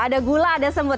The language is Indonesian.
ada gula ada semut